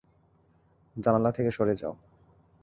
জানালা থেকে সরে যাও!